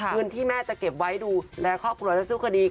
เงินที่แม่จะเก็บไว้ดูแลครอบครัวและสู้คดี